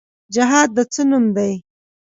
جهاد د څه نوم دی؟